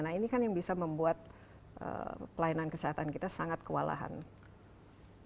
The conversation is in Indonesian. nah ini kan yang bisa membuat pelayanan kesehatan kita sangat kewalahan